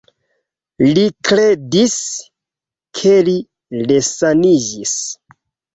Li kredis, ke li resaniĝis.